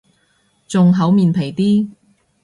仲厚面皮啲